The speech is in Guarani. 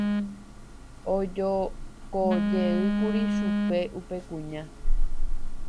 ojokojeýkuri chupe upe kuña